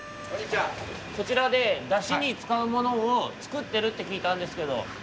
こちらでだしにつかうものをつくってるってきいたんですけど。